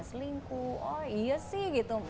selingkuh oh iya sih gitu